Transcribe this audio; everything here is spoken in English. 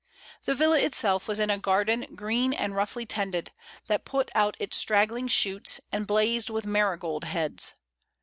The villa itself was in a garden green and roughly tended, that put out its straggling shoots, and blazed with marigold heads.